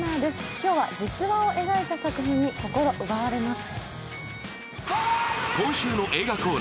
今日は実話を描いた作品に心奪われます。